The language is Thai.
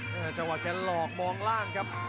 เหมือนจะฟื้นแล้วครับ